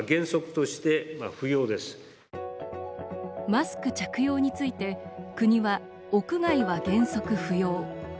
マスク着用について国は、屋外は原則不要。